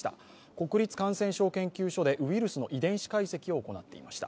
国立感染症研究所でウイルスの遺伝子解析を行っていました。